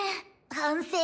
反省。